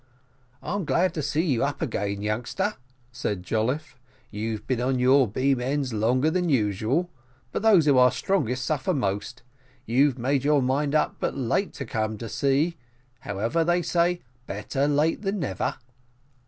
"I'm glad to see you up again, youngster," said Jolliffe; "you've been on your beam ends longer than usual, but those who are strongest suffer most you made your mind up but late to come to sea. However, they say, `Better late than never.'"